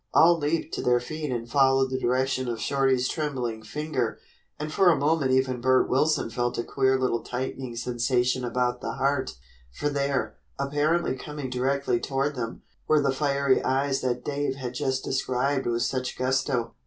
All leaped to their feet and followed the direction of Shorty's trembling finger, and for a moment even Bert Wilson felt a queer little tightening sensation about the heart, for there, apparently coming directly toward them, were the fiery eyes that Dave had just described with such gusto.